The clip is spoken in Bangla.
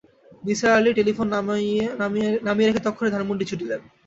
নিসার আলি টেলিফোন নামিয়ে রেখে তক্ষুণি ধানমন্ডি ছুটলেন।